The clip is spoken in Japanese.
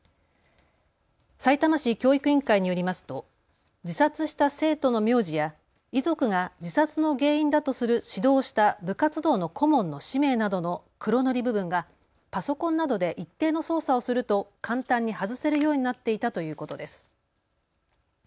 さいたま市教育委員会によりますと自殺した生徒の名字や遺族が自殺の原因だとする指導した部活動の顧問の氏名などの黒塗り部分がパソコンなどで一定の操作をすると簡単に外せるようになっていたということです。